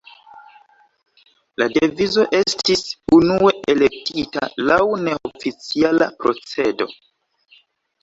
La devizo estis unue elektita laŭ neoficiala procedo.